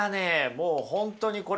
もう本当にこれ